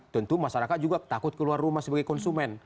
tentu masyarakat juga takut keluar rumah sebagai konsumen